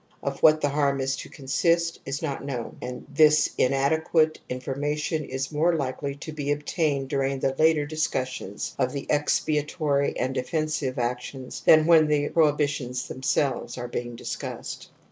Of what the' harm is to consist is not known, and this inade quate information is more Ukely to be obtained during the later discussions of the expiatory and defensive actions than when the prohibitions thpmselves are being discussed.